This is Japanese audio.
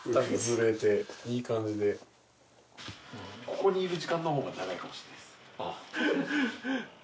ここにいる時間のほうが長いかもしんないっす